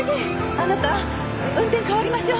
あなた運転代わりましょう。